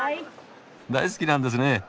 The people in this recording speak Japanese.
大好きなんですね。